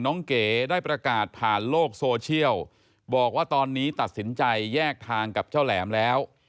เก๋ได้ประกาศผ่านโลกโซเชียลบอกว่าตอนนี้ตัดสินใจแยกทางกับเจ้าแหลมแล้ว